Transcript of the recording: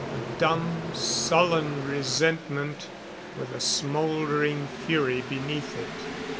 A dumb, sullen resentment, with a smouldering fury beneath it.